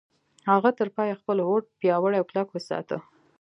هغه تر پايه خپل هوډ پياوړی او کلک وساته.